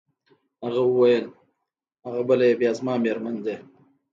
هغه وویل: هغه بله يې بیا زما مېرمن ده.